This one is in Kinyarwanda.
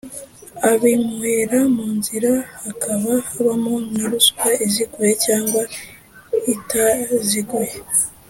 Abimuhera mu nzira hakaba habamo na ruswa iziguye cyangwa itaziguye